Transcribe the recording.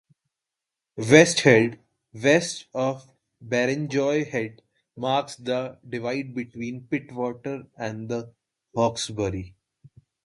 West Head, west of Barrenjoey Head, marks the divide between Pittwater and the Hawkesbury.